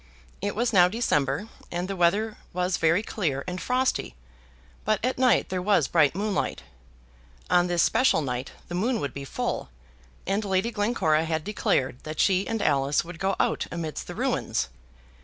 It was now December, and the weather was very clear and frosty, but at night there was bright moonlight. On this special night the moon would be full, and Lady Glencora had declared that she and Alice would go out amidst the ruins.